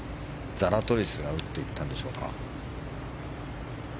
ザラトリスが打っていったんでしょうか。